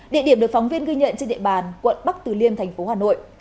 địa điểm được phóng viên ghi nhận trên địa bàn quận bắc từ liêm thành phố hà nội